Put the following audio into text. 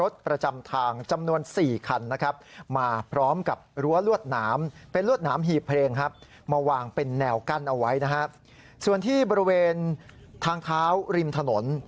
ส่วนที่บริเวณทางเท้าริมถนน